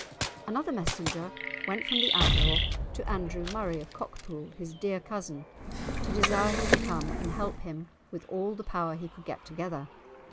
Another messenger went from the Outlaw to Andrew Murray of Cockpool, his dear cousin, to desire him to come and help him with all the power he could get together.